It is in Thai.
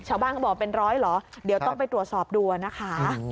เขาบอกเป็นร้อยเหรอเดี๋ยวต้องไปตรวจสอบดูนะคะ